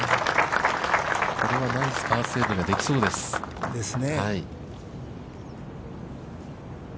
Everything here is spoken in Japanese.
これはナイスパーセーブができそうです。ですね。